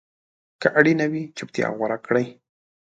که اړینه وي، چپتیا غوره کړئ.